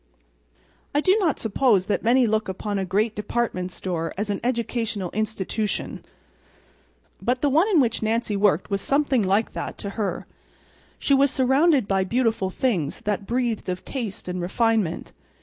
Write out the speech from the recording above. I do not suppose that many look upon a great department store as an educational institution. But the one in which Nancy worked was something like that to her. She was surrounded by beautiful things that breathed of taste and refinement.